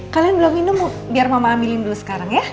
kalian belum minum biar mama amin dulu sekarang ya